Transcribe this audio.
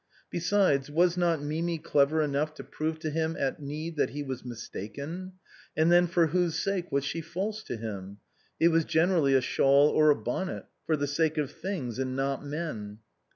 Besides, was not Mimi clever enough to prove to him at need that he was mistaken ? And then for whose sake was she false to him? It was generally a shawl or a bonnet — for the sake of things and not men.